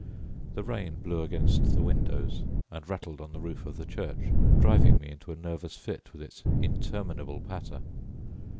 The rain blew against the windows and rattled on the roof of the church, driving me into a nervous fit with its interminable patter.